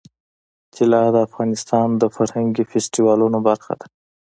طلا د افغانستان د فرهنګي فستیوالونو برخه ده.